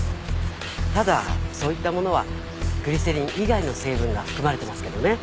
ただそういったものはグリセリン以外の成分が含まれてますけどね